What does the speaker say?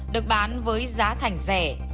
được bán với giá thành rẻ